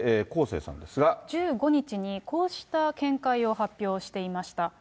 １５日にこうした見解を発表していました。